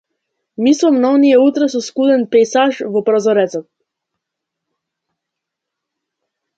Мислам на оние утра со скуден пејсаж во прозорецот.